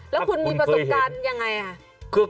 แล้วคุณมีประสบการณ์อย่างไร